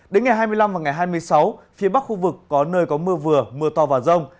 đến ngày hai mươi năm và ngày hai mươi sáu phía bắc khu vực có nơi có mưa vừa mưa to và rông